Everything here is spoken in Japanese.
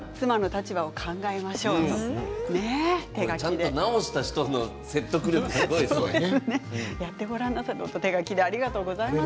ちゃんと直した人の説得力すごいですね。